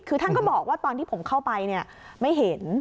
คือท่านก็บอกว่าตอนที่ผมเข้าไปเนี่ยไม่เห็น